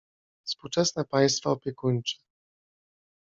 Współczesne państwa opiekuńcze.